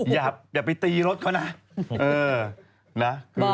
อย่าไปตีรถเขานะ